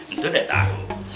itu udah tahu